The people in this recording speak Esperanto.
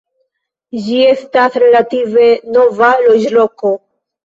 Ĝi estas relative nova loĝloko.